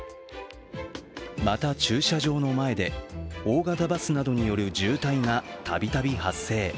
また駐車場の前で大型バスなどによる渋滞がたびたび発生。